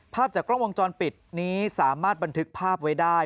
ภาพจากกล้องวงจรปิดนี้สามารถบันทึกภาพไว้ได้